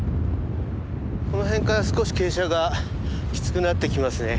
この辺から少し傾斜がきつくなってきますね。